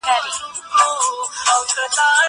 کېدای سي پاکوالی کمزوری وي!!